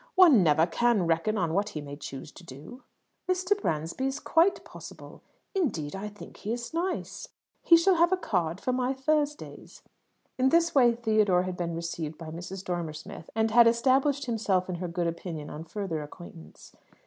One never can reckon on what he may choose to do." "Mr. Bransby is quite possible. Indeed, I think he is nice. He shall have a card for my Thursdays." In this way Theodore had been received by Mrs. Dormer Smith, and had established himself in her good opinion on further acquaintance.